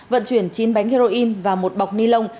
vận chuyển chín bánh heroin và một bọc ni lông